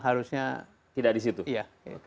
harusnya tidak di situ